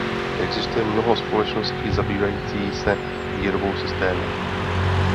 Existuje mnoho společností zabývající se výrobou systému.